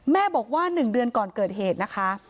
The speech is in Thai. แม่บอกว่า๑เดือนก่อนเกิดเหตุนะคะ